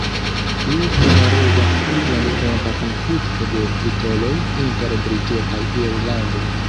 Li memorigas pri longtempa konflikto de titoloj inter Britio kaj Irlando.